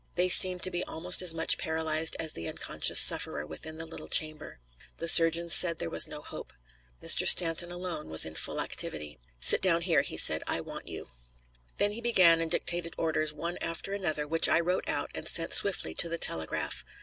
They seemed to be almost as much paralyzed as the unconscious sufferer within the little chamber. The surgeons said there was no hope. Mr. Stanton alone was in full activity. "Sit down here," said he; "I want you." Then he began and dictated orders, one after another, which I wrote out and sent swiftly to the telegraph.